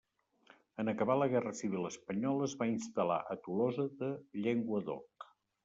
En acabar la Guerra Civil espanyola es va instal·lar a Tolosa de Llenguadoc.